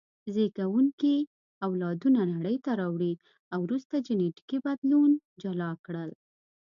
زېږوونکي اولادونه نړۍ ته راوړي او وروسته جینټیکي بدلون جلا کړل.